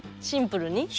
シンプルに。